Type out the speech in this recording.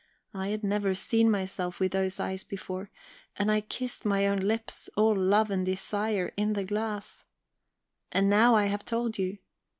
I had never seen myself with those eyes before, and I kissed my own lips, all love and desire, in the glass... "And now I have told you.